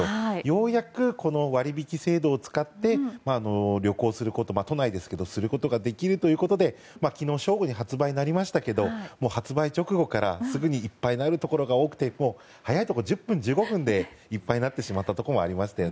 ようやくこの割引制度を使って旅行すること都内ですけどできるということで昨日正午に発売になりましたが発売直後からすぐにいっぱいになるところが多くて、早くところだと１０分１５分でいっぱいになってしまったところもありました。